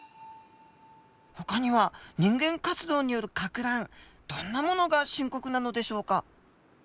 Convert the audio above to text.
ほかには人間活動によるかく乱どんなものが深刻なのでしょうか？